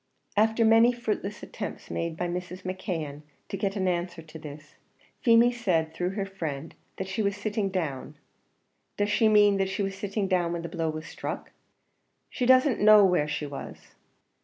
After many fruitless attempts made by Mrs. McKeon to get an answer to this, Feemy said, through her friend, that she was sitting down. "Does she mean that she was sitting down when the blow was struck?" "She doesn't know where she was."